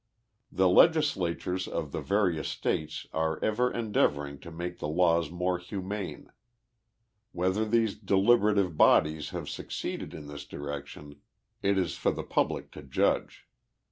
The legislatures of the various states are ever endeavoring to make the laws more humane. — Whether these deliberative bodies have succeeded in this direction it is for the public to judge.